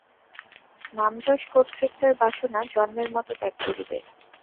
নামযশ কর্তৃত্বের বাসনা জন্মের মত ত্যাগ করিবে।